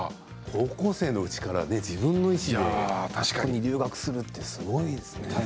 高校生のうちからね自分の意志であそこに留学するってすごいですね。